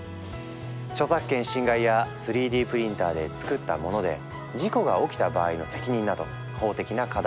著作権侵害や３Ｄプリンターでつくったモノで事故が起きた場合の責任など法的な課題もある。